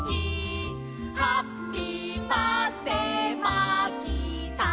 「ハッピーバースデーマーキーさん」